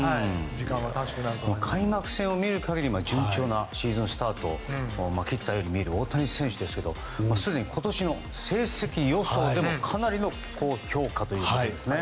開幕戦を見る限り順調なシーズンスタートを切ったように見える大谷選手ですがすでに今年の成績予想でもかなりの高評価と。